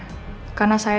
karena saya tidak bisa mencari